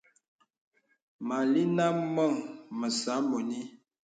Məlìŋà mɔ̄ŋ məsə mɔ̄nì.